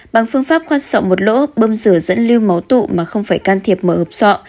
bằng phương pháp khoan sọn một lỗ bơm rửa dẫn lưu máu tụ mà không phải can thiệp mở hộp sọ